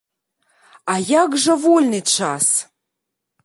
А як жа вольны час?